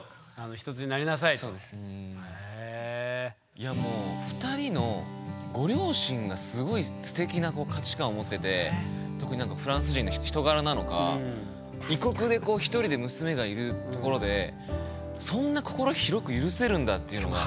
いやもう２人のご両親がすごいすてきな価値観を持ってて特にフランス人の人柄なのか異国で１人で娘がいるところでそんな心広く許せるんだっていうのが。